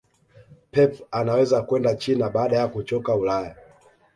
pep anaweza kwenda china baada ya kuchoka ulaya